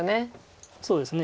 そうですね。